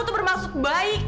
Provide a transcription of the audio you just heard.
aku tuh bermaksud baik